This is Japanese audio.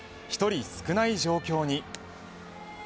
１人少ない状況に。